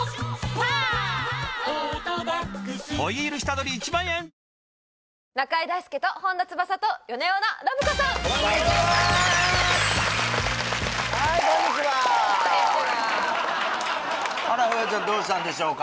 フワちゃんどうしたんでしょうか？